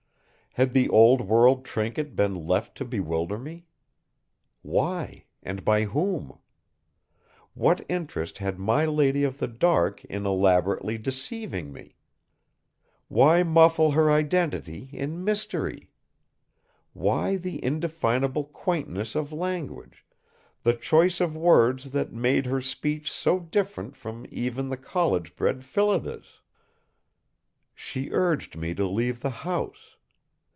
Had the old world trinket been left to bewilder me? Why, and by whom? What interest had my lady of the dark in elaborately deceiving me? Why muffle her identity in mystery? Why the indefinable quaintness of language, the choice of words that made her speech so different from even the college bred Phillida's? She urged me to leave the house.